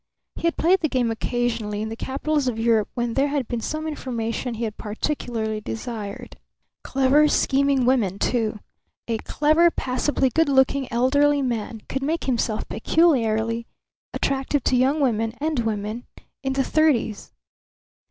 He had played the game occasionally in the capitals of Europe when there had been some information he had particularly desired. Clever, scheming women, too. A clever, passably good looking elderly man could make himself peculiarly attractive to young women and women in the thirties.